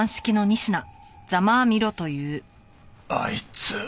あいつ！